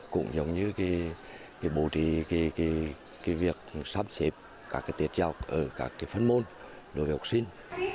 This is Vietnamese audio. cũng giống như cái bố trí cái việc sắp xếp các cái tiết giao ở các cái phân môn đối với học sinh